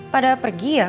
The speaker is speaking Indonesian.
pada pergi ya